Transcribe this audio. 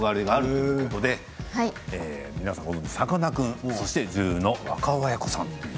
皆さんご存じ、さかなクンそして女優の若尾文子さん。